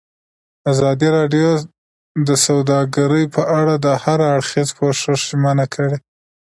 ازادي راډیو د سوداګري په اړه د هر اړخیز پوښښ ژمنه کړې.